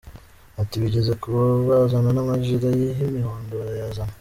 Ati “Bigeze kubuzana n’amajire y’imihondo barayazana.